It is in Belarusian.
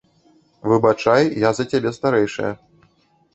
Выбачай, я за цябе старэйшая.